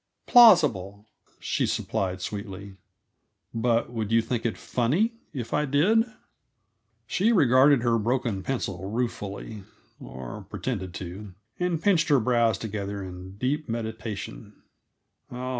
"Plausible," she supplied sweetly. "But would you think it funny, if I did?" She regarded her broken pencil ruefully or pretended to and pinched her brows together in deep meditation.